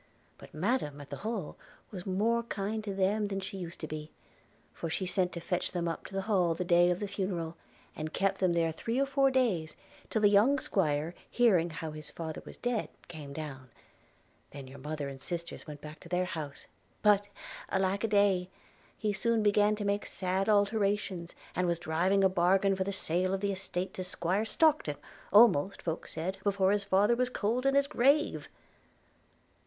but Madam, at the Hall, was more kind to them than she used to be; for she sent to fetch them up to the Hall the day of the funeral, and kept them there three or four days, till the young 'squire hearing how his father was dead, came down – then your mother and sisters went back to their house: but alack a day! – he soon began to make sad alterations, and was driving a bargain for the sale of the estate to 'Squire Stockton, almost, folks said, before his father was cold in his grave.'